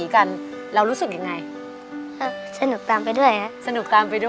เขาทำอะไรกันอะ